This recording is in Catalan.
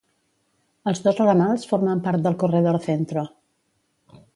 Els dos ramals formen part del Corredor Centro.